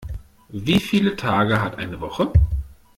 Wie viele Tage hat eine Woche?